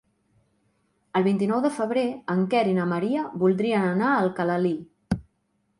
El vint-i-nou de febrer en Quer i na Maria voldrien anar a Alcalalí.